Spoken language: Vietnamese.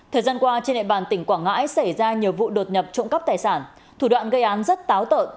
thời gian qua trên địa bàn tỉnh quảng ngãi xảy ra nhiều vụ đột nhập trộm cắp tài sản thủ đoạn gây án rất táo tợn